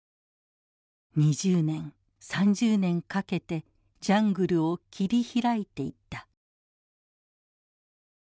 「２０年３０年かけてジャングルを切り開いていった」。